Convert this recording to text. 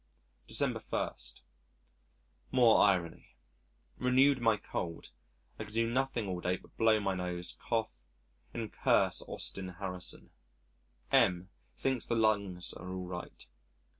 December 1. More Irony Renewed my cold I do nothing all day but blow my nose, cough, and curse Austin Harrison. M thinks the lungs are all right.